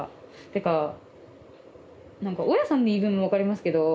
てか何か大家さんの言い分も分かりますけど。